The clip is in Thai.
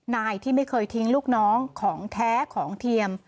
นายที่ไม่เคยทิ้งลูกน้องของแท้ของเทียม